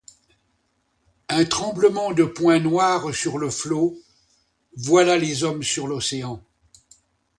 Un tremblement de points noirs sur le flot, voilà les hommes sur l’océan.